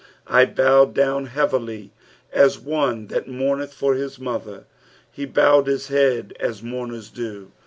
'' I boieed down hearUy. atone that moumeth for hit mother." He bowed his head as mourners do.